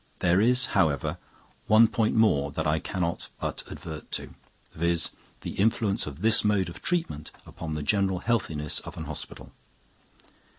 There is, however, one point more that I cannot but advert to, viz., the influence of this mode of treatment upon the general healthiness of an hospital.